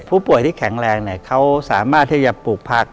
ผู้ป่วยที่แข็งแรงเขาสามารถที่จะปลูกผัก